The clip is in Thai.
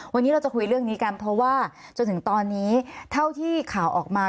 วันนี้เราจะคุยเรื่องนี้กันเพราะว่าจนถึงตอนนี้เท่าที่ข่าวออกมา